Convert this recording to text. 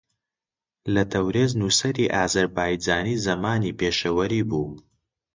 لە تەورێز نووسەری ئازەربایجانی زەمانی پیشەوەری بوو